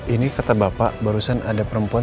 ini kata bapak barusan ada perempuan